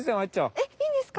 えっいいんですか。